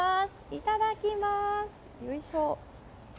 いただきます。